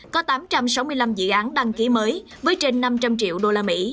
có tám trăm sáu mươi năm dự án đăng ký mới với trên năm trăm linh triệu usd